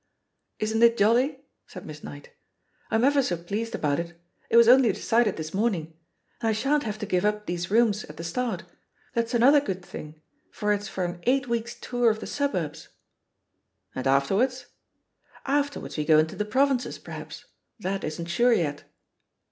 "Isn't it jolly?" said Miss Knight. "I'm ever iso pleased about it ; it was only decided this morn ing. And I shan't have to give up these rooms at the start — ^that's another good thing, for it's for an eight weeks' tour of the suburbs." "And afterwards?" "Afterwards we go into the provinces, per haps. That isn't sure yet."